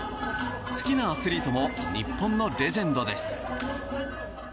好きなアスリートも日本のレジェンドです。